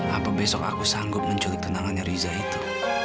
apa besok aku sanggup menculik tenangannya riza itu